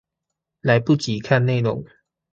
來不及看內容